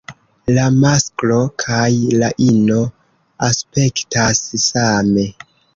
La masklo kaj la ino aspektas same.